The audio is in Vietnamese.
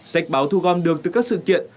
sách báo thu gom được từ các sự kiện